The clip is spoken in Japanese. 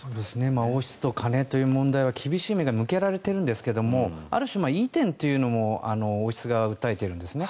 王室と金という問題は厳しい目が向けられているんですがある種、いい点というのも王室側は訴えているんです。